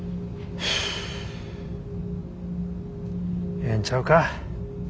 ええんちゃうか？